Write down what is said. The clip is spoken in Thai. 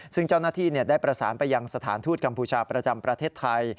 ซึ่งเจ้าหน้าที่ได้ประสานไปยังสถานทูตกัมพูชาประจำประเทศไทย